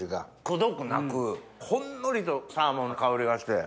くどくなくほんのりとサーモンの香りがして。